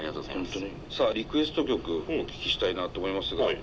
さあリクエスト曲お聞きしたいなと思いますが。